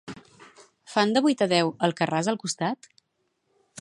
Fan de vuit a deu "Alcarràs" al costat?